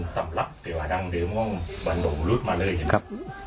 ตำลับเดี๋ยวอาดังเดี๋ยวมองบันโดมรุทมาเลยเห็นครับ